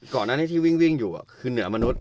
ก่อนหน้านี้ที่วิ่งอยู่คือเหนือมนุษย